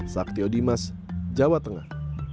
saktyo dimas jawa tengah